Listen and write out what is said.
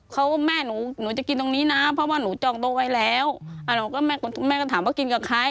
เขาแม่หนูหนูจะกินตรงนี้นะเพราะว่าหนูจองโต๊ะไว้แล้วหนูก็แม่ก็ถามว่ากินกับใคร